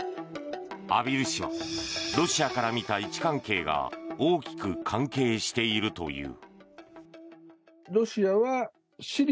畔蒜氏はロシアから見た位置関係が大きく関係しているという。